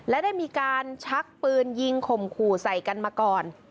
และได้มีการชักปืนยิงข่มขู่ใส่กันมาก่อน